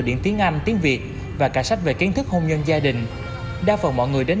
điện tiếng anh tiếng việt và cả sách về kiến thức hôn nhân gia đình đa phần mọi người đến